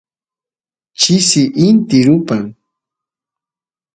chisi inti rupan